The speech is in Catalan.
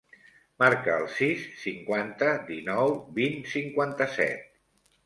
Marca el sis, cinquanta, dinou, vint, cinquanta-set.